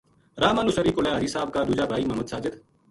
راہ ما نوسیری کولے حاجی صاحب کا دُوجا بھائی محمد ساجد